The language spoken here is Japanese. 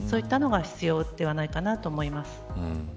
そういったものが必要ではないかと思います。